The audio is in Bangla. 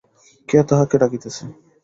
কে তাহাকে ডাকিতেছে?